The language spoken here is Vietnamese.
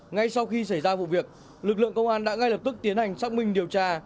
ngay sau khi xảy ra vụ việc lực lượng công an đã ngay lập tức tiến hành xác minh điều tra